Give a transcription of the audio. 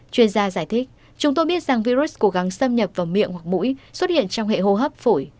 chuyên gia giải thích chúng tôi biết rằng virus cố gắng xâm nhập vào miệng hoặc mũi xuất hiện trong hệ hô hấp phổi